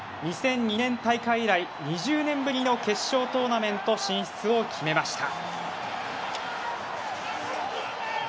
２００２年大会以来２０年ぶりの決勝トーナメント進出を決めました。